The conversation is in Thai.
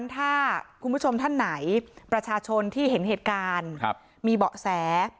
ถ้าคุณผู้ชมท่านไหนประชาชนที่เห็นเหตุการณ์มีเบาะแส